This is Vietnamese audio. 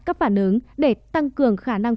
các phản ứng để tăng cường khả năng